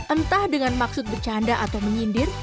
entah dengan maksud bercanda atau menyindir